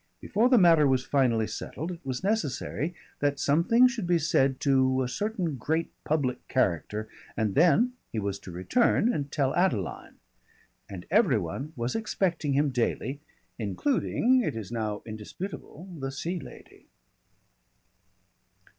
Before the matter was finally settled it was necessary that something should be said to a certain great public character, and then he was to return and tell Adeline. And every one was expecting him daily, including, it is now indisputable, the Sea Lady.